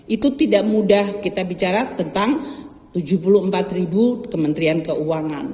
itu tidak mudah kita bicara tentang tujuh puluh empat ribu kementerian keuangan